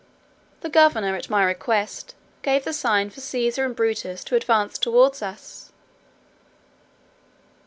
The governor, at my request, gave the sign for Cæsar and Brutus to advance towards us.